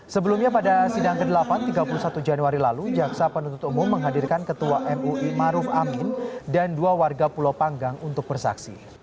sebelumnya pada sidang ke delapan tiga puluh satu januari lalu jaksa penuntut umum menghadirkan ketua mui maruf amin dan dua warga pulau panggang untuk bersaksi